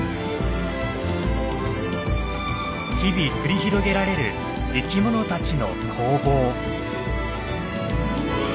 日々繰り広げられる生きものたちの攻防。